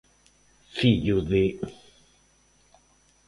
–¡Fillo de...!